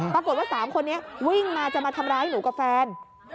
ปรากฏว่า๓คนนี้วิ่งมาจะมาทำร้ายหนูกับแฟน